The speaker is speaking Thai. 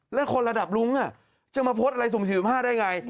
แล้วคนระดับลุ้งอ่ะจะมาโพสต์อะไรสุ่มสี่สุ่มห้าได้ไง